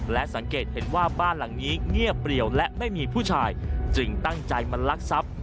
และสังเกตเห็นว่าบ้านหลังนี้เงียบเปรียวและไม่มีผู้ชายจึงตั้งใจมาลักทรัพย์